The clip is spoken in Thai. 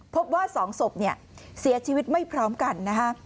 พบว่า๒ศพเสียชีวิตไม่พร้อมกันนะฮะ